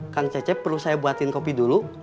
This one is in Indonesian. kang cecep perlu saya buatin kopi dulu